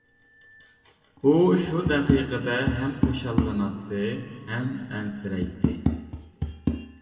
ئۇ شۇ دەقىقىدە ھەم خۇشاللىناتتى ھەم ئەنسىرەيتتى.